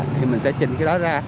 thì mình sẽ trình cái đó ra